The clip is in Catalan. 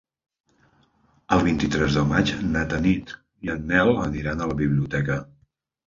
El vint-i-tres de maig na Tanit i en Nel aniran a la biblioteca.